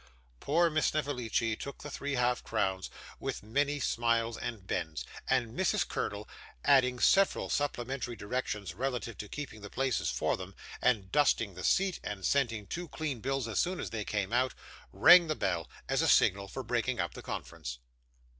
Poor Miss Snevellicci took the three half crowns, with many smiles and bends, and Mrs. Curdle, adding several supplementary directions relative to keeping the places for them, and dusting the seat, and sending two clean bills as soon as they came out, rang the bell, as a signal for breaking up the conference.